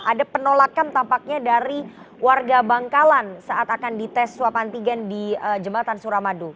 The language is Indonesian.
ada penolakan tampaknya dari warga bangkalan saat akan dites swab antigen di jembatan suramadu